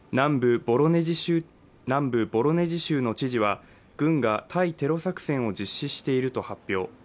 南部ボロネジ州の知事は軍が対テロ作戦を実施していると発表。